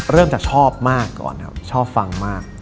เริ่มจากชอบมากก่อนครับชอบฟังมาก